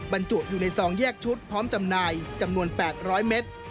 บรรจุอยู่ในซองแยกชุดพร้อมจำหน่ายจำนวน๘๐๐เมตร